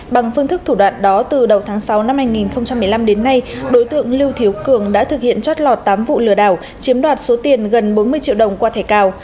bằng phương thức thủ đoạn đó từ đầu tháng sáu năm hai nghìn một mươi năm đến nay đối tượng lưu thiếu cường đã thực hiện chót lọt tám vụ lừa đảo chiếm đoạt số tiền gần bốn mươi triệu đồng qua thẻ cào